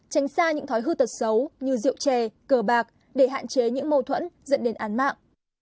tránh xa những thói hư tật xấu như rượu chè cờ bạc để hạn chế những mâu thuẫn dẫn đến án mạng